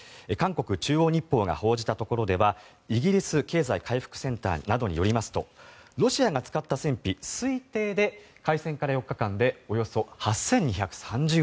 韓国中央日報が報じたところではイギリス経済回復センターなどによりますとロシアが使った戦費、推定で開戦から４日間でおよそ８２３０億円。